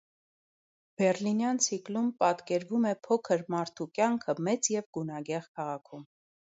«Բեռլինյան» ցիկլում պատկերվում է փոքր մարդու կյանքը մեծ և գունագեղ քաղաքում։